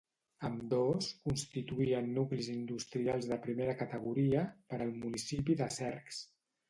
Ambdós constituïen nuclis industrials de primera categoria per al municipi de Cercs.